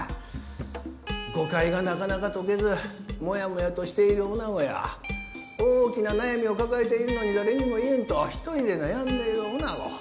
誤解がなかなかとけずモヤモヤとしている女子や大きな悩みを抱えているのに誰にも言えんとひとりで悩んでいる女子。